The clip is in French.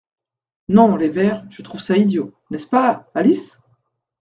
Non les vers, je trouve ça idiot, n’est-ce pas, Alice ?